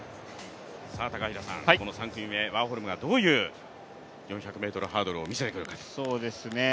この３組目、ワーホルムがどういう４００ｍハードルを見せてくれるか。